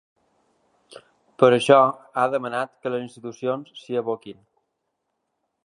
Per això ha demanat que les institucions s’hi aboquin.